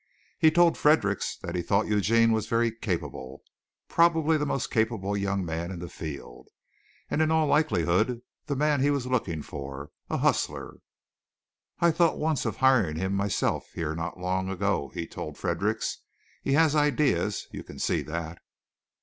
He told Fredericks that he thought Eugene was very capable, probably the most capable young man in the field, and in all likelihood the man he was looking for a hustler. "I thought once of hiring him myself here not long ago," he told Fredericks. "He has ideas, you can see that."